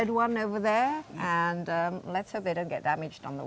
dan kita harap mereka tidak terluka di jalan